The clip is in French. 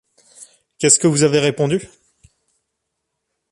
Qu’est-ce que vous avez répondu?